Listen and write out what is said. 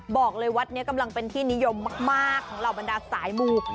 บอกเลยวัดนี้กำลังเป็นที่นิยมมากของเหล่าบรรดาสายมู